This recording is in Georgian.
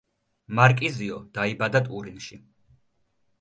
მარკიზიო დაიბადა ტურინში.